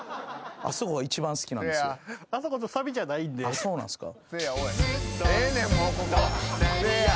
あっそうなんすか。